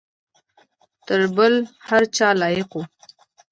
تر بل هر چا لایق وو.